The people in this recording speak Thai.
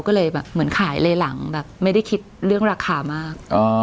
ก็เลยแบบเหมือนขายเลยหลังแบบไม่ได้คิดเรื่องราคามาก